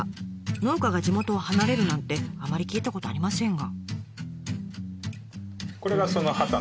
農家が地元を離れるなんてあまり聞いたことありませんが。